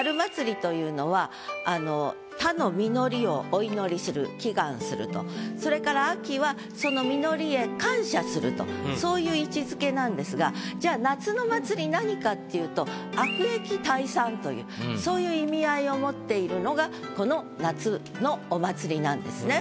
ここで押さえたいのがお祭も春のそれから秋はその実りへ感謝するとそういう位置づけなんですがじゃあ夏の祭何かっていうと悪疫退散というそういう意味合いを持っているのがこの夏のお祭なんですね。